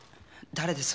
誰です？